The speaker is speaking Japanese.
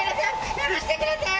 許してください！